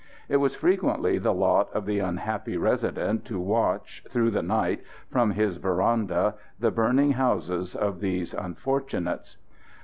It was frequently the lot of the unhappy Resident to watch, through the night, from his verandah, the burning houses of these unfortunates.